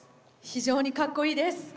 非常にかっこいいです。